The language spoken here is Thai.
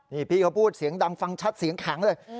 นี่พี่เขาพูดเสียงดังฟังชัดเสียงแข็งเลย